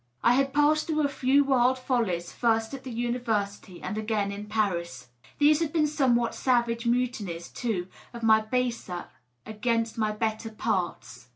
I had passed through a few wild follies, first at the University, and again in Paris. These had been somewhat savage mutinies, too, of my baser against my better parts.